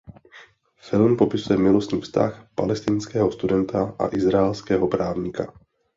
Film popisuje milostný vztah palestinského studenta a izraelského právníka.